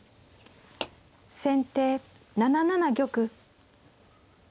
先手７七玉。